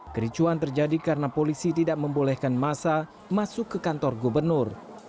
kericuan terjadi karena polisi tidak membolehkan masa masuk ke kantor gubernur